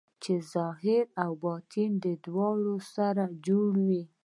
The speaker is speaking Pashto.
چې ظاهر او باطن یې دواړه سره جوړ وي.